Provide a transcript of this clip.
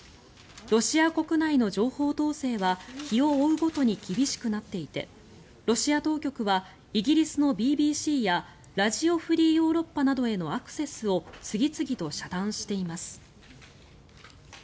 ロシア国内の情報統制は日を追うごとに厳しくなっていてロシア当局はイギリスのＢＢＣやラジオ・フリー・ヨーロッパなどへのアクセスを次々と遮断しています。